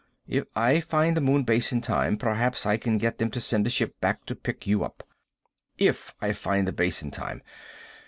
"If I find the Moon Base in time, perhaps I can get them to send a ship back to pick you up. If I find the Base in time.